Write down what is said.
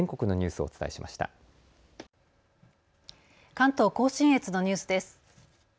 関東甲信越のニュースです。